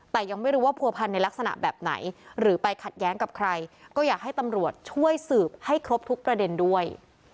แต่ยังไม่รู้ว่าผัวพันในลักษณะแบบไหนหรือไปขัดแย้งกับใครก็อยากให้ตำรวจช่วยสืบให้ครบทุกประเด็นด้วย